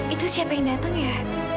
itu siapa yang datang ya